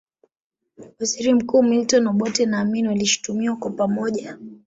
Waziri mkuu Milton Obote na Amin walishutumiwa kwa pamoja